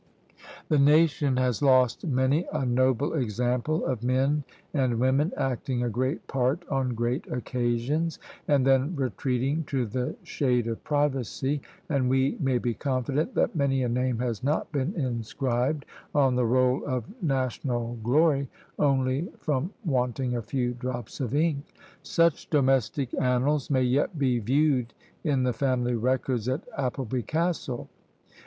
The nation has lost many a noble example of men and women acting a great part on great occasions, and then retreating to the shade of privacy; and we may be confident that many a name has not been inscribed on the roll of national glory only from wanting a few drops of ink! Such domestic annals may yet be viewed in the family records at Appleby Castle!